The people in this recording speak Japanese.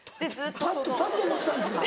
パッドを持ってたんですか。